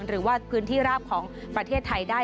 หรือว่าพื้นที่ราบของประเทศไทยได้